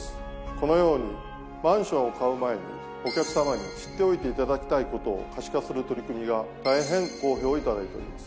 このようにマンションを買う前にお客さまに知っておいていただきたいことを可視化する取り組みが大変好評をいただいております。